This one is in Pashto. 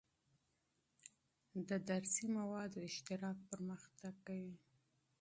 د علمي موادو اشتراک پرمختګ دی.